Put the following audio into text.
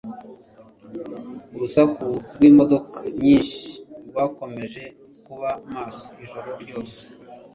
Urusaku rwimodoka nyinshi rwakomeje kuba maso ijoro ryose.